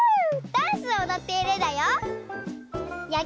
ダンスをおどっているんだよ。